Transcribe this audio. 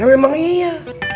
ya memang iya